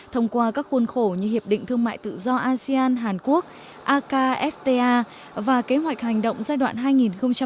thông qua các khuôn khổ như hiệp định thương mại tự do asean hàn quốc akfta và kế hoạch hành động giai đoạn hai nghìn hai mươi hai nghìn hai mươi năm